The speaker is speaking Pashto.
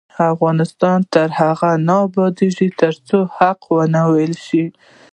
افغانستان تر هغو نه ابادیږي، ترڅو حقایق ونه ویل شي.